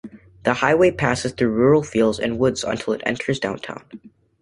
The highway passes through rural fields and woods until it enters downtown.